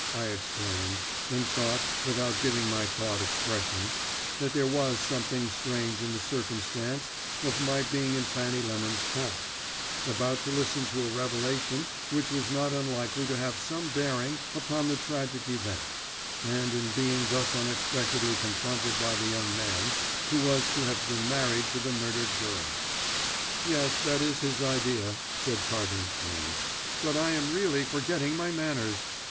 I exclaimed, and thought, without giving my thought expression, that there was something strange in the circumstance of my being in Fanny Lemon's house, about to listen to a revelation which was not unlikely to have some bearing upon the tragic event, and in being thus unexpectedly confronted by the young man who was to have been married to the murdered girl. "Yes, that is his idea," said Carton's friend; "but I am really forgetting my manners.